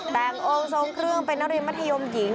แต่งองค์ทรงเครื่องเป็นนักเรียนมัธยมหญิง